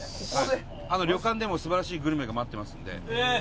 旅館でも素晴らしいグルメが待ってますので。